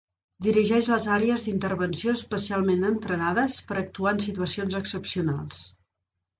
Dirigeix les àrees d'intervenció especialment entrenades per actuar en situacions excepcionals.